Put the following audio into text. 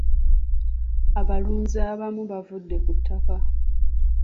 Abalunzi abamu baavudde ku ttaka.